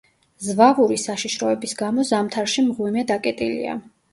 ზვავური საშიშროების გამო ზამთარში მღვიმე დაკეტილია.